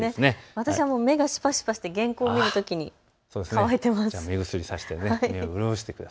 私は目、しばしばして原稿を見るときに乾いています。